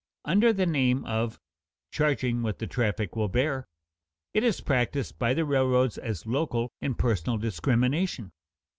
Under the name of "charging what the traffic will bear," it is practiced by the railroads as local and personal discrimination.